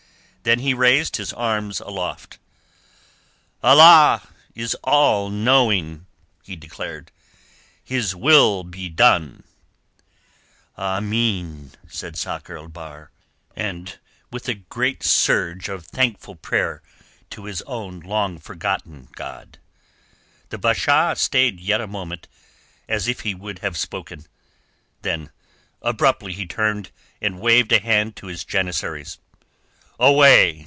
Then he raised his arms aloft. "Allah is All knowing," he declared. "His will be done!" "Ameen," said Sakr el Bahr very solemnly and with a great surge of thankful prayer to his own long forgotten God. The Basha stayed yet a moment, as if he would have spoken. Then abruptly he turned and waved a hand to his janissaries. "Away!"